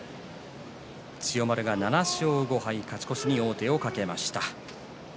千代丸、７勝５敗勝ち越しに王手をかけました。